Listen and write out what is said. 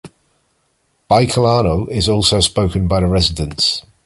Bicolano is also spoken by the residents.